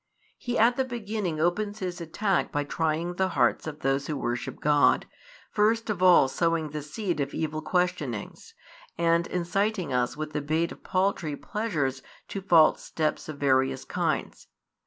He at the beginning opens his attack by trying the hearts of those who worship God, first of all sowing the seed of evil questionings, and inciting us with the bait of paltry pleasures to false steps of various kinds.